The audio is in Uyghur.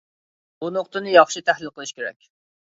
بۇ نۇقتىنى ياخشى تەھلىل قىلىش كېرەك.